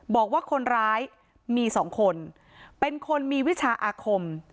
บอกว่าคนร้ายมีสองคนเป็นคนมีวิชาอาคม